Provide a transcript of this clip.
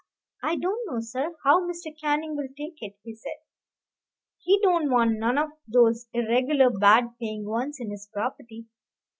"I don't know, sir, how Mr. Canning will take it," he said. "He don't want none of those irregular, bad paying ones in his property.